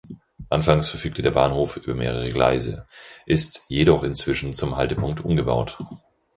Anfangs verfügte der Bahnhof über mehrere Gleise, ist jedoch inzwischen zum Haltepunkt umgebaut.